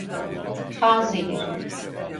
Panzehir.